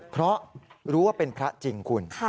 เพราะรู้ว่าเป็นพระจริงคุณ